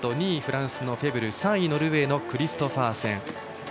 ２位、フランスのフェブル３位、ノルウェーのクリストファーセン。